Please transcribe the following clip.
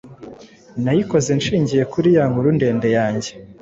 Nayikoze nshingiye kuri ya nkuru ndende yanjye."